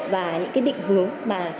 và những cái định hướng